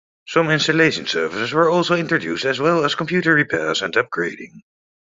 Some installation services were also introduced as well as Computer repairs and upgrading.